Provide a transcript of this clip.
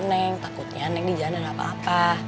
neng takutnya neng dijalankan apa apa